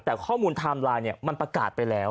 แต่ข้อมูลไทม์ไลน์เนี่ยมันประกาศไปแล้ว